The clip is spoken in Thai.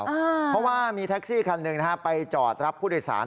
เพราะว่ามีแท็กซี่คันหนึ่งนะฮะไปจอดรับผู้โดยสาร